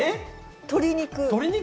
鶏肉？